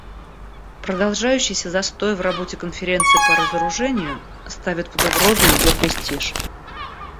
Продолжающийся застой в работе Конференции по разоружению ставит под угрозу ее престиж.